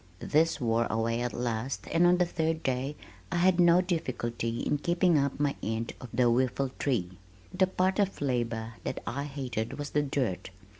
This wore away at last and on the third day I had no difficulty in keeping up my end of the whiffletree. The part of labor that I hated was the dirt.